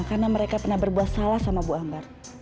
karena mereka pernah berbuat salah sama bu ambar